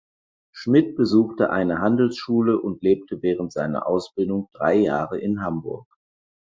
Schmidt besuchte eine Handelsschule und lebte während seiner Ausbildung drei Jahre in Hamburg.